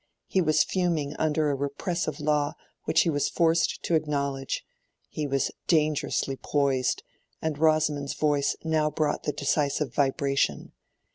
He was fuming under a repressive law which he was forced to acknowledge: he was dangerously poised, and Rosamond's voice now brought the decisive vibration.